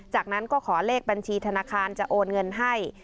จากนั้นก็ขอเลขบัญชีธนาคารจะโอนเงินให้